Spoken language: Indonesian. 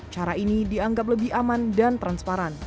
cara ini dianggap lebih aman dan transparan